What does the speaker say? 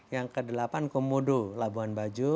yang kedelapan komodo labuan bajo